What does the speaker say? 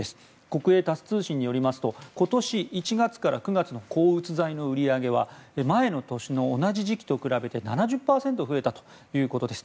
国営タス通信によりますと今年１月から９月の抗うつ剤の売り上げは前の年の同じ時期と比べて７０％増えたということです。